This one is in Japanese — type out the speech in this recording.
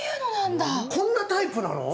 こんなタイプなの？